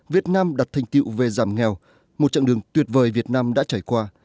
việt nam đặt thành tiệu về giảm nghèo một chặng đường tuyệt vời việt nam đã trải qua